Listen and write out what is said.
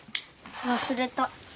忘れた。